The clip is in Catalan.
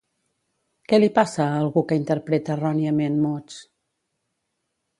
Què li passa a algú que interpreta erròniament mots?